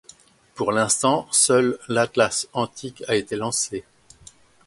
Pour l'instant, seul l'atlas antique a été lancé.